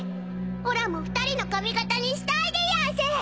おらも２人の髪形にしたいでやんす